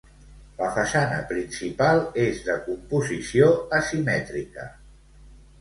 La façana principal és de composició asimètrica.